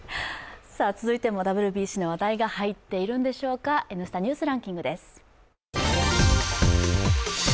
続いてもＷＢＣの話題が入っているんでしょうか「Ｎスタ・ニュースランキング」です。